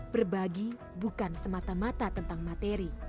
berbagi bukan semata mata tentang materi